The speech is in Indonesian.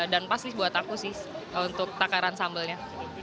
dan pas sih buat aku sih untuk takaran sambelnya